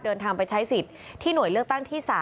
เดินทางไปใช้สิทธิ์ที่หน่วยเลือกตั้งที่๓